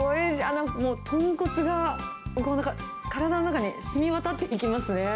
なんか、豚骨が体の中にしみわたっていきますね。